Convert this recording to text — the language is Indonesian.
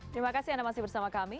terima kasih anda masih bersama kami